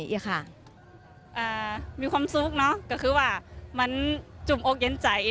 อีฮะอ่ามีความสุขเนาะเกลียดคือว่ามันจุบอกเย็นใจ